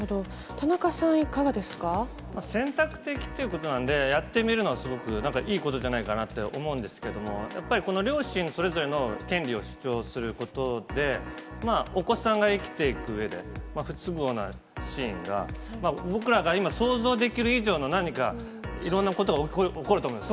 田中さん、いかが選択的ということなんで、やってみるのはすごく、なんかいいことじゃないかなって思うんですけれども、やっぱりこの両親それぞれの権利を主張することで、お子さんが生きていくうえで、不都合なシーンが、僕なんか、今、想像できる以上の何かいろんなことが起こると思うんです。